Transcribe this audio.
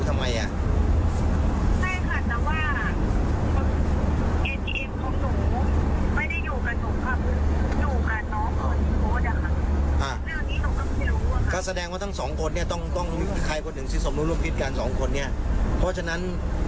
คนอื่นก็จะทำเพื่อเอาเงินต้องเข้าบัญชีนูเพื่ออะไร